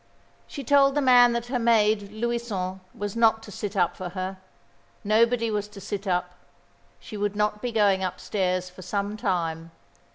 She told the man that her maid, Louison, was not to sit up for her. Nobody was to sit up. She would not be going upstairs for some time.